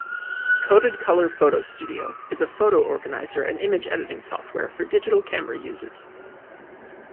CodedColor PhotoStudio is a photo organizer and image editing software for digital camera users.